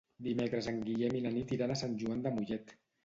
Dimecres en Guillem i na Nit iran a Sant Joan de Mollet.